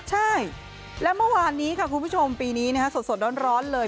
ใช่และเมื่อวานนี้ค่ะคุณผู้ชมปีนี้นะฮะสดร้อนเลย